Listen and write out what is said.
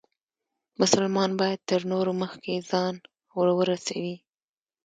مسلمان باید تر نورو مخکې ځان ورورسوي.